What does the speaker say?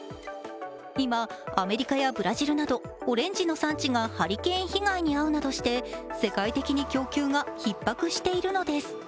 今、アメリカやブラジルなどオレンジの産地がハリケーン被害に遭うなどして、世界的に供給がひっ迫しているのです。